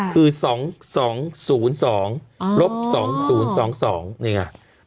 คือ๒๒๐๒๒๐๒๒เนี่ยไง